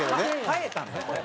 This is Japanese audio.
生えたんだこれ。